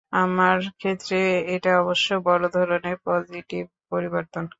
আমার ক্ষেত্রে এটা অবশ্য বড় ধরণের পজিটিভ পরিবর্তন।